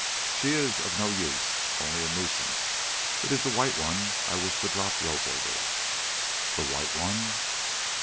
She is of no use, only a nuisance. It is the White One I wish to drop rope over!" "The White One?"